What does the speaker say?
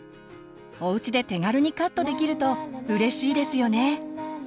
おうちで手軽にカットできるとうれしいですよね。